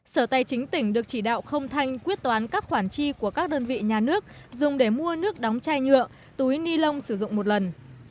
sở tài chính tỉnh được chỉ đạo không thanh quyết toán các khoản chi của các đơn vị nhà nước dùng để mua nước đóng chai nhựa túi ni lông sử dụng một lần